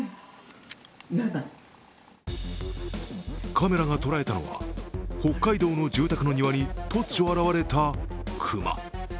カメラが捉えたのは北海道の住宅の庭に突如現れた熊。